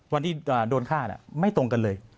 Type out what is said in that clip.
วันที่โดนฆ่าไม่ตรงกันเลย